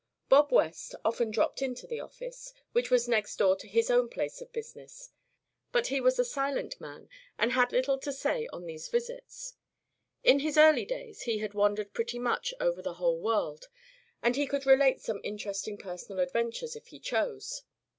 Bob West often dropped into the office, which was next door to his own place of business, but he was a silent man and had little to say on these visits. In his early days he had wandered pretty much over the whole world, and he could relate some interesting personal adventures if he chose.